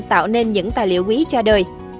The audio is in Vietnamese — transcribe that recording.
tạo nên những tài liệu quý cha đời